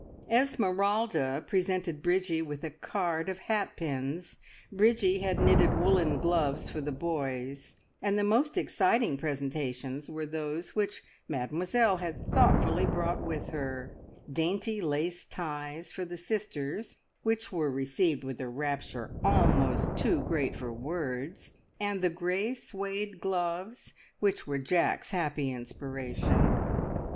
Esmeralda presented Bridgie with a card of hat pins; Bridgie had knitted woollen gloves for the boys, and the most exciting presentations were those which Mademoiselle had thoughtfully brought with her dainty lace ties for the sisters, which were received with a rapture almost too great for words, and the grey Suede gloves which were Jack's happy inspiration.